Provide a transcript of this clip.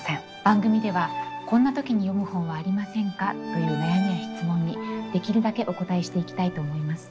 番組では「こんな時に読む本はありませんか？」という悩みや質問にできるだけお応えしていきたいと思います。